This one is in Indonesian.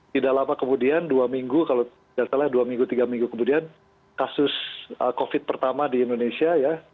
tidak lama kemudian dua minggu kalau tidak salah dua minggu tiga minggu kemudian kasus covid pertama di indonesia ya